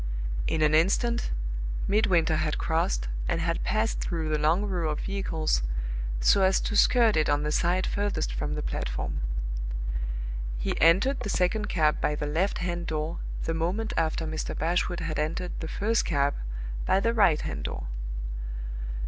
In an instant Midwinter had crossed, and had passed through the long row of vehicles, so as to skirt it on the side furthest from the platform. He entered the second cab by the left hand door the moment after Mr. Bashwood had entered the first cab by the right hand door.